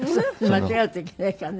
間違うといけないからね。